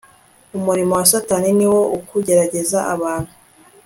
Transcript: Umurimo wa Satani ni uwo kugerageza abantu